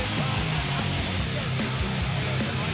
สวัสดีครับ